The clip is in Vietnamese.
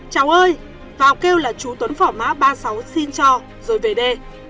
cháu ơi vào kêu là chú tuấn phỏ mã ba mươi sáu xin cho rồi về đây